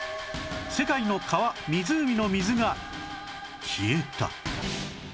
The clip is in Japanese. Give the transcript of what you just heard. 世界の川湖の水が消えた！